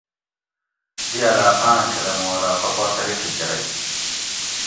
دی علاقاۤں چھلہ مُوں علاقہ پا ترقی کۤرئی